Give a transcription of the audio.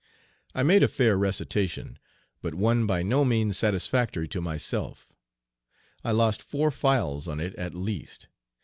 I made a fair recitation, but one by no means satisfactory to myself. I lost four files on it at least.